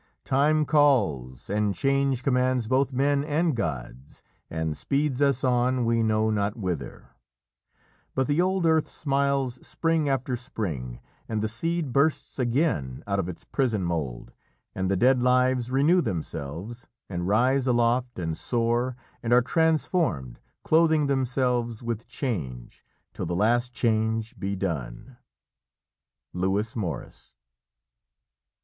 "Time calls, and Change Commands both men and gods, and speeds us on We know not whither; but the old earth smiles Spring after spring, and the seed bursts again Out of its prison mould, and the dead lives Renew themselves, and rise aloft and soar And are transformed, clothing themselves with change, Till the last change be done." Lewis Morris.